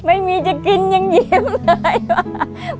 ไม่มีจะกินยังยิ้มเลยว่า